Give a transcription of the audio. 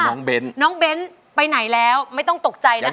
น้องเบ้นน้องเบ้นไปไหนแล้วไม่ต้องตกใจนะคะ